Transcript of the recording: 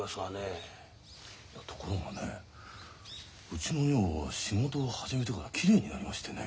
いやところがねうちの女房は仕事を始めてからきれいになりましてね。